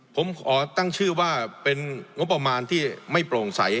ผมขอตั้งชื่อว่าเป็นงบประมาณที่ไม่โปร่งใส